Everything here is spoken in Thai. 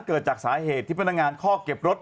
เกิดจากสาเหตุที่พนักงานข้อเก็บรถ